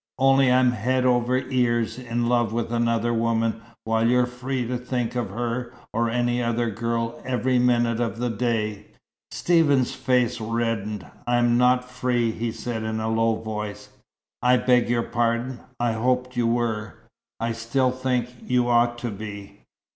"Only I'm head over ears in love with another woman, while you're free to think of her, or any other girl, every minute of the day." Stephen's face reddened. "I am not free," he said in a low voice. "I beg your pardon. I hoped you were. I still think you ought to be."